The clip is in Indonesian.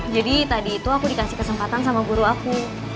jadi tadi itu aku dikasih kesempatan sama guru aku